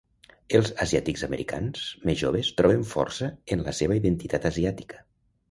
Els asiàtics-americans més joves troben força en la seva identitat asiàtica.